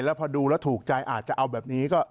แล้วพอดูแล้วถูกใจอาจจะเอาแบบนี้ก็